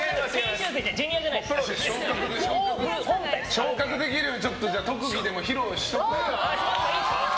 昇格できるように特技でも披露しておくか。